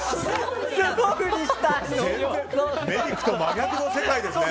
メイクと真逆の世界ですね！